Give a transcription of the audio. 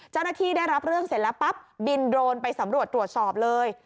ได้รับเรื่องเสร็จแล้วปั๊บบินโดรนไปสำรวจตรวจสอบเลย